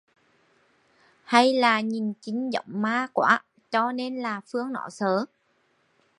Hay là nhìn chinh giống ma quá cho nên là phương nó sợ